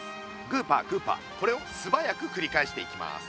グーパーグーパーこれをすばやくくりかえしていきます。